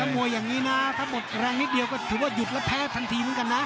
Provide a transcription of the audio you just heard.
มวยอย่างนี้นะถ้าหมดแรงนิดเดียวก็ถือว่าหยุดแล้วแพ้ทันทีเหมือนกันนะ